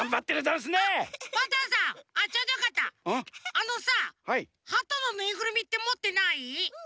あのさハトのぬいぐるみってもってない？